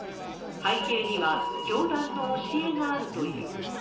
背景には、教団の教えがあるという。